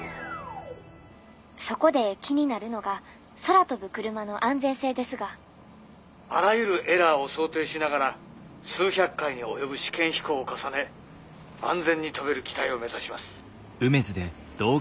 そこで気になるのが空飛ぶクルマの安全性ですが「あらゆるエラーを想定しながら数百回に及ぶ試験飛行を重ね安全に飛べる機体を目指します」。